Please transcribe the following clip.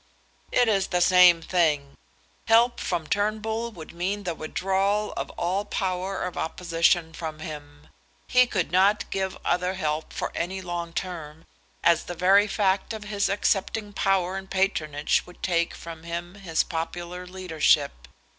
"It is the same thing. Help from Turnbull would mean the withdrawal of all power of opposition from him. He could not give other help for any long term, as the very fact of his accepting power and patronage would take from him his popular leadership.